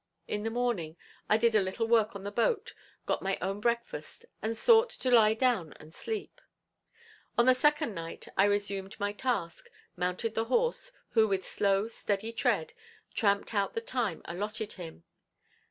In the morning I did a little work on the boat, got my own breakfast and sought to lie down and sleep. On the second night I resumed my task, mounted the horse, who with slow, steady tread, tramped out the time allotted him.